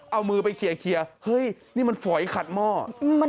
เอามือไปเคลียร์เฮ้ยนี่มันฝอยขัดหม้อ